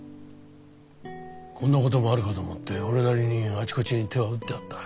こんなこともあるかと思って俺なりにあちこちに手は打ってあった。